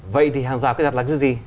vậy thì hàng rào kỹ thuật là cái gì